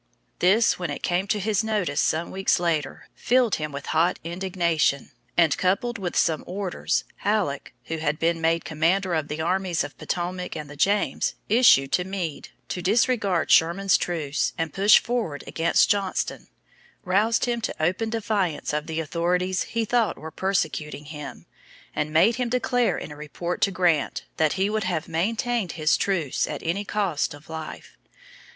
This, when it came to his notice some weeks later, filled him with hot indignation, and, coupled with some orders Halleck, who had been made commander of the armies of the Potomac and the James, issued to Meade, to disregard Sherman's truce and push forward against Johnston, roused him to open defiance of the authorities he thought were persecuting him, and made him declare in a report to Grant, that he would have maintained his truce at any cost of life.